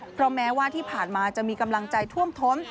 เพราะแม้ว่าที่ผ่านมาจะมีกำลังใจท่วมท้น